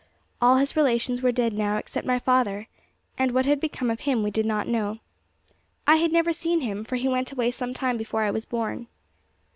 All his relations were dead now, except my father, and what had become of him we did not know. I had never seen him, for he went away some time before I was born.